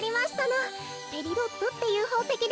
ペリドットっていうほうせきですのよ。